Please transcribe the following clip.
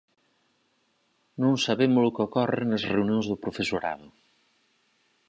Non sabemos o que ocorre nas reunións do profesorado.